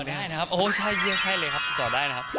ติดต่อได้นะครับโอ้ใช่เรียกให้เลยครับติดต่อได้นะครับ